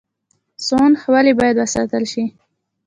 سوانح ولې باید وساتل شي؟